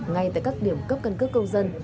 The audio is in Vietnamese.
ngay tại các điểm cấp cân cước công dân